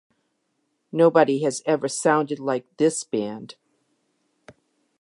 Nobody has ever sounded like this band.